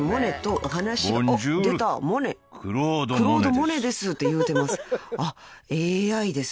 「クロード・モネです」って言うてます。